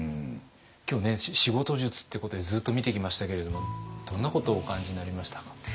今日ね仕事術ってことでずっと見てきましたけれどもどんなことをお感じになりましたか？